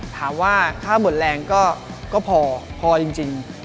ถามว่าค่าหมดแรงก็พอพอจริง